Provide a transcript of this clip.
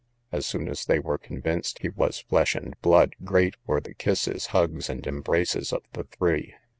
As soon as they were convinced he was flesh and blood, great were the kisses, hugs, and embraces, of the three.